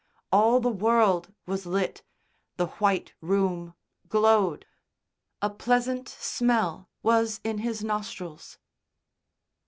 All the world was lit, the white room glowed. A pleasant smell was in his nostrils.